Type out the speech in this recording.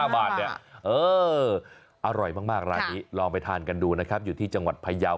๕บาทเนี่ยอร่อยมากร้านนี้ลองไปทานกันดูนะครับอยู่ที่จังหวัดพยาว